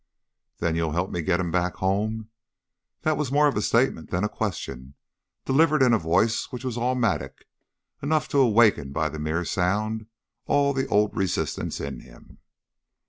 "Then you'll help me get him back home?" That was more a statement than a question, delivered in a voice which was all Mattock, enough to awaken by the mere sound all the old resistance in him.